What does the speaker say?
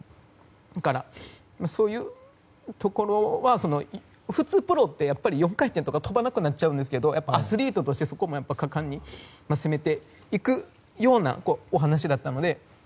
だから、そういうところは普通、プロってやっぱり４回転とか跳ばなくなっちゃうんですけどアスリートとしてそこも果敢に攻めていくような話だったので。